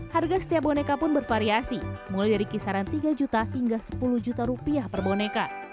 harga setiap boneka pun bervariasi mulai dari kisaran tiga juta hingga sepuluh juta rupiah per boneka